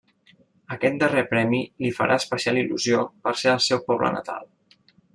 Aquest darrer premi li farà especial il·lusió per ser el seu poble natal.